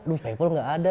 aduh paypal gak ada